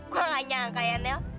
gua enggak nyangka ya niel